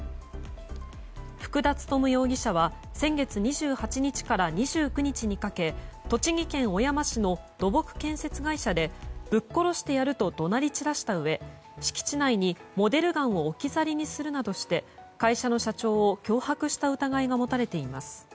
福田勤容疑者は先月２８日から２９日にかけ栃木県小山市の土木建設会社でぶっ殺してやると怒鳴り散らしたうえ敷地内にモデルガンを置き去りにするなどして会社の社長を脅迫した疑いが持たれています。